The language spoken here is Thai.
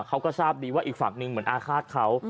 เขาก็ทราบดีว่าอีกฝั่งหนึ่งเหมือนอาฆาตเขา